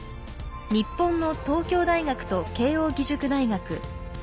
日本の東京大学と慶應義塾大学。